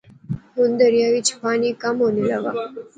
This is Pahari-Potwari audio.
ہن دریا وچ پانی کم ہانے لاغآ